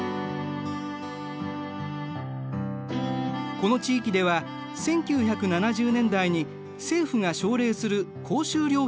この地域では１９７０年代に政府が奨励する高収量品種を導入。